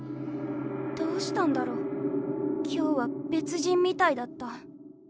どうしたんだろう今日は別人みたいだった。